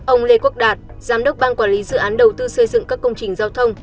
ông lê quốc đạt giám đốc ban quản lý dự án đầu tư xây dựng các công trình giao thông